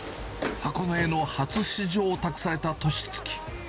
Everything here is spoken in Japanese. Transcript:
箱根への初出場を託されたとしつき。